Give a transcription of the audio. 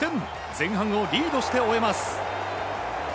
前半をリードして終えます。